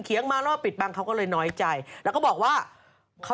เขาถอดเสื้อแล้วค่ะ